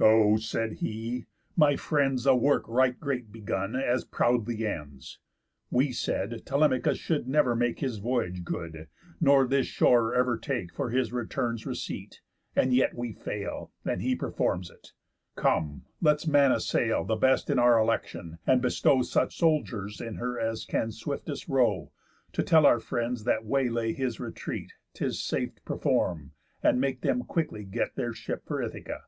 "O," said he, "my friends, A work right great begun, as proudly ends, We said, Telemachus should never make His voyage good, nor this shore ever take For his return's receipt; and yet we fail, And he performs it. Come, let's man a sail, The best In our election, and bestow Such soldiers in her as can swiftest row, To tell our friends that way lay his retreat 'Tis safe perform'd, and make them quickly get Their ship for Ithaca."